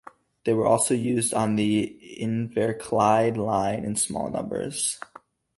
They were also used on the Inverclyde Line in small numbers.